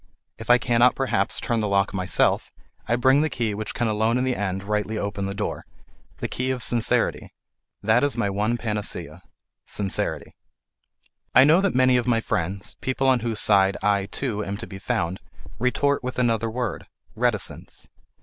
If I cannot perhaps turn the lock myself, I bring the key which can alone in the end rightly open the door: the key of sincerity. That is my one panacea: sincerity. I know that many of my friends, people on whose side I, too, am to be found, retort with another word: reticence.